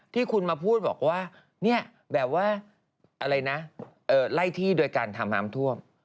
ที่คุณมาพูดบอกว่าเนี่ยแบบว่าอะไรนะไล่ที่โดยการทำน้ำท่วม